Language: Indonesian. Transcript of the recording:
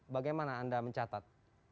bagaimana anda mencatat